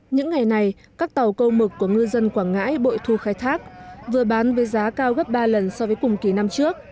những ngày này các tàu câu mực của ngư dân quảng ngãi bội thu khai thác vừa bán với giá cao gấp ba lần so với cùng kỳ năm trước